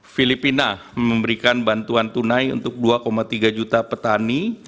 filipina memberikan bantuan tunai untuk dua tiga juta petani